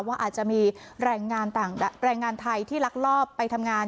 ว่าอาจจะมีแรงงานไทยที่รักรอบไปทำงาน